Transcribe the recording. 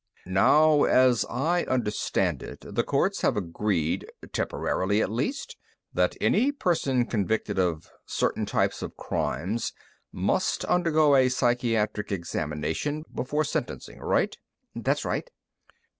Now, as I understand it, the courts have agreed temporarily, at least that any person convicted of certain types of crimes must undergo a psychiatric examination before sentencing. Right?" "That's right."